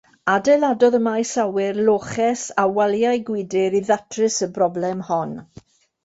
Adeiladodd y maes awyr loches â waliau gwydr i ddatrys y broblem hon.